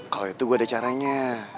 kalau itu gue ada caranya